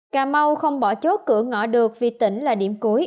cà mau không bỏ chốt cửa ngõ được vì tỉnh là điểm cuối